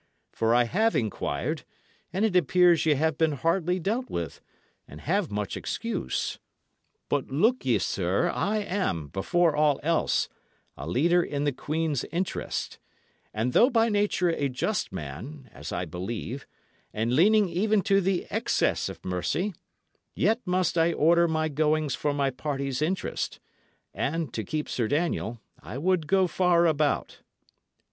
For I have inquired, and it appears ye have been hardly dealt with, and have much excuse. But look ye, sir, I am, before all else, a leader in the queen's interest; and though by nature a just man, as I believe, and leaning even to the excess of mercy, yet must I order my goings for my party's interest, and, to keep Sir Daniel, I would go far about."